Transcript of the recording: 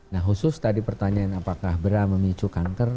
nah khusus tadi pertanyaan apakah berat memicu kanker